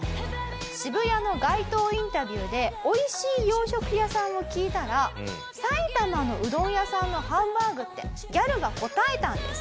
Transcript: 渋谷の街頭インタビューで美味しい洋食屋さんを聞いたら「埼玉のうどん屋さんのハンバーグ」ってギャルが答えたんです。